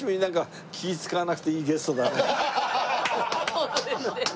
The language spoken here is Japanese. ホントですね。